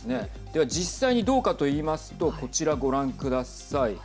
では、実際にどうかといいますとこちら、ご覧ください。